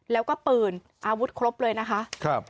แล้วก็ปืนอาวุธครบเลยนะคะ